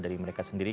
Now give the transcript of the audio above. dari mereka sendiri